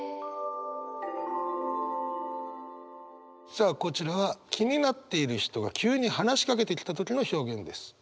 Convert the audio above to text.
さあこちらは気になっている人が急に話しかけてきた時の表現です。